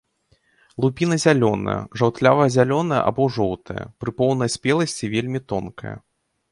Лупіна зялёная, жаўтлява-зялёная або жоўтая, пры поўнай спеласці вельмі тонкая.